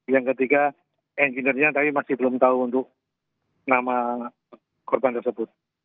yang ketiga engineernya tapi masih belum tahu untuk nama korban tersebut